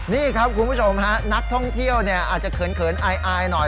นี่ครับคุณผู้ชมฮะนักท่องเที่ยวอาจจะเขินอายหน่อย